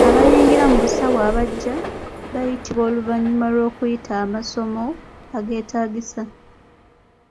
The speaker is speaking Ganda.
Abayingira mu busawo abaggya bayitibwa oluvannyuma lw'okuyita amasomo ageetaagisa.